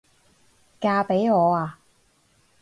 嫁畀我吖？